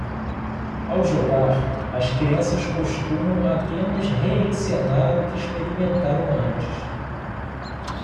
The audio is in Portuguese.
Ao jogar?, as crianças costumam apenas reencenar o que experimentaram antes.